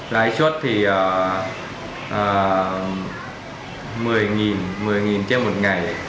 lãi suất thì một mươi một mươi trên một ngày